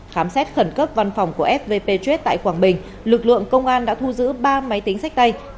khám xét khẩn cấp văn phòng của fvp geet tại quảng bình lực lượng công an đã thu giữ ba máy tính sách tay